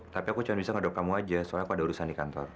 tapi aku cuma bisa ngedok kamu aja soalnya aku ada urusan di kantor